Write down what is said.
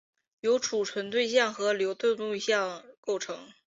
由存储对象和流对象构成。